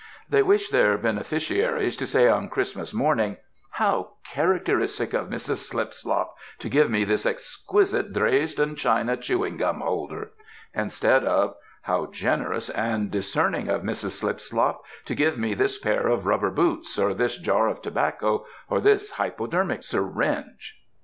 They wish their beneficiaries to say on Christmas morning, "How characteristic of Mrs. Slipslop to give me this exquisite Dresden china chewing gum holder," instead of "How generous and discerning of Mrs. Slipslop to give me this pair of rubber boots or this jar of tobacco or this hypodermic syringe!"